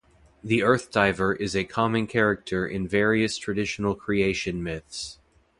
The earth-diver is a common character in various traditional creation myths.